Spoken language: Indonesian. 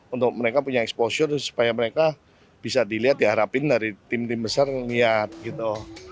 untuk mereka punya exposure supaya mereka bisa dilihat diharapin dari tim tim besar lihat gitu